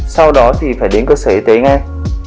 sau đó thì phải đến cơ sở y tế ngay